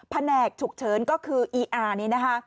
แผนกถูกเฉินก็คืออีอาร์